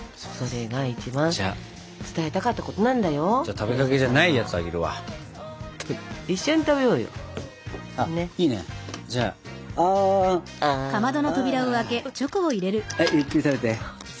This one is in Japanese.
ゆっくり食べて。